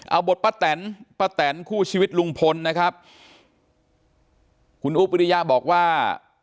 เอาบทป้าแตนป้าแตนคู่ชีวิตลุงพลนะครับคุณอุ๊บวิริยะบอกว่า